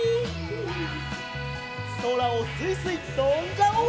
そらをすいすいとんじゃおう！